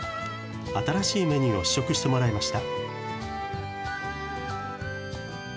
新しいメニューを試食してもらいました。